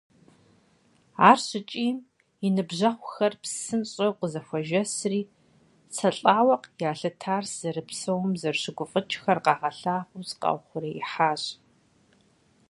Ар щыкӀийм, и ныбжьэгъухэр псынщӀэу къызэхуэжэсри, сэ, лӀауэ ялъытар, сызэрыпсэум зэрыщыгуфӀыкӀхэр къагъэнаӀуэу, сыкъаухъуреихьащ.